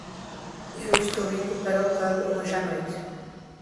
Eu estou indo para o pub hoje à noite.